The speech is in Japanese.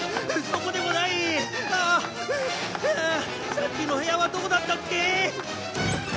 さっきの部屋はどこだったっけ！？